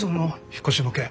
引っ越しの件。